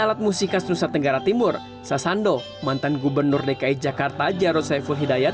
alat musikas nusa tenggara timur sasando mantan gubernur dki jakarta jarod saiful hidayat